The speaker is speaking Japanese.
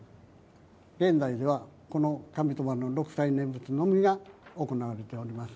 現在では、この上鳥羽の六斎念仏のみで行われております。